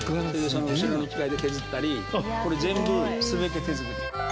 その後ろの機械で削ったりこれ全部全て手作り。